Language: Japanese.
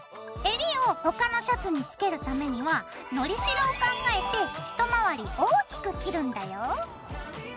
えりを他のシャツにつけるためにはのりしろを考えてひと回り大きく切るんだよ。